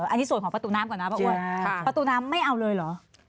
อันนี้ส่วนของประตูน้ำก่อนนะป้าอ้วนประตูน้ำไม่เอาเลยเหรอ